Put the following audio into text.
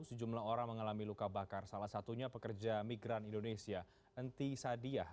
sejumlah orang mengalami luka bakar salah satunya pekerja migran indonesia enti sadiah